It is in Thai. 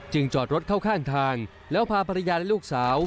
จอดรถเข้าข้างทางแล้วพาภรรยาและลูกสาว